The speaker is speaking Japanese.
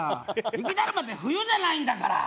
雪だるまって冬じゃないんだから。